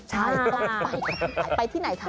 ไปที่ไหนค่ะ